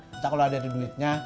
kita kalo ada duitnya